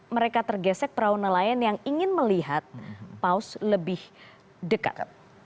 mereka tergesek perauna lain yang ingin melihat paus lebih dekat